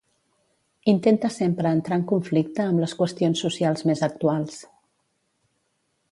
Intenta sempre entrar en conflicte amb les qüestions socials més actuals.